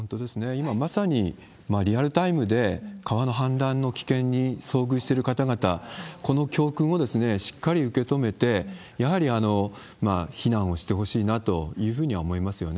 今まさに、リアルタイムで川の氾濫の危険に遭遇してる方々、この教訓をしっかり受け止めて、やはり避難をしてほしいなというふうには思いますよね。